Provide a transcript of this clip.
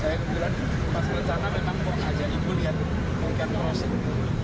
saya kebetulan pas rencana memang mau ngajak ibu lihat pelikan crossing